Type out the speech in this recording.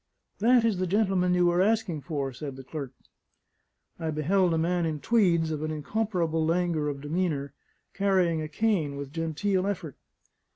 "That is the gentleman you were asking for," said the clerk. I beheld a man in tweeds, of an incomparable languor of demeanour, and carrying a cane with genteel effort.